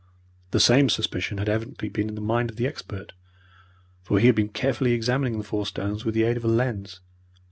The same suspicion had evidently been in the mind of the expert, for he had been carefully examining the four stones with the aid of a lens.